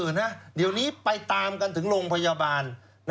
เดี๋ยวนี้ไปตามกันถึงโรงพยาบาล